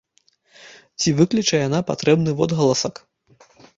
Ці выкліча яна патрэбны водгаласак?